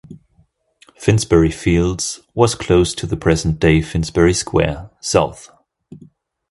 Finsbury Fields was close to the present-day Finsbury Square, south.